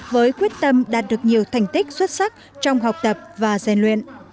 với quyết tâm đạt được nhiều thành tích xuất sắc trong học tập và gian luyện